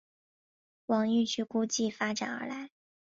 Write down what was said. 广义矩估计发展而来。